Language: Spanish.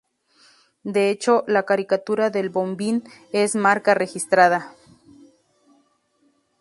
De hecho, la caricatura del bombín es marca registrada.